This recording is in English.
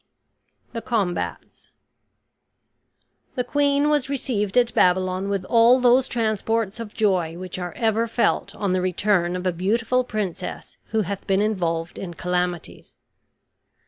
THE COMBATS The queen was received at Babylon with all those transports of joy which are ever felt on the return of a beautiful princess who hath been involved in calamities.